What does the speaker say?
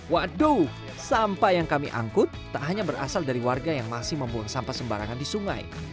waduh sampah yang kami angkut tak hanya berasal dari warga yang masih membuang sampah sembarangan di sungai